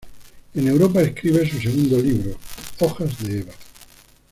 En Europa escribe su segundo libro "Hojas de Eva".